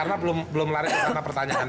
ada luka di kakinya